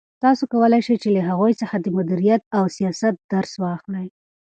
تاسو کولای شئ چې له هغوی څخه د مدیریت او سیاست درس واخلئ.